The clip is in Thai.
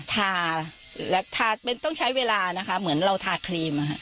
ทาเป็นต้องใช้เวลานะคะเหมือนเราทาครีม